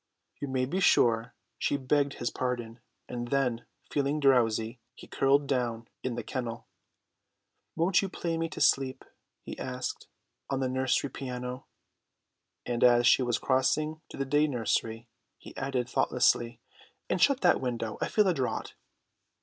You may be sure she begged his pardon; and then, feeling drowsy, he curled round in the kennel. "Won't you play me to sleep," he asked, "on the nursery piano?" and as she was crossing to the day nursery he added thoughtlessly, "And shut that window. I feel a draught."